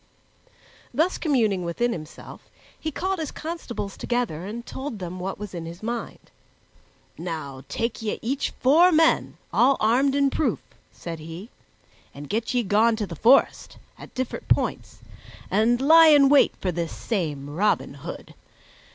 Thus communing within himself, he called his constables together and told them what was in his mind. "Now take ye each four men, all armed in proof," said he, "and get ye gone to the forest, at different points, and lie in wait for this same Robin Hood.